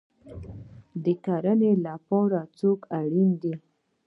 د کرنې لپاره څوک اړین دی؟